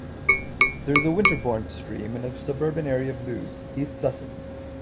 There is a Winterbourne stream in a suburban area of Lewes, East Sussex.